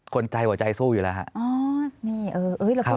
คนใจหัวใจสู้อยู่แล้วครับ